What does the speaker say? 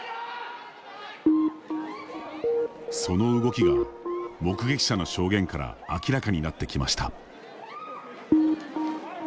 その動きが、目撃者の証言から明らかになってきました。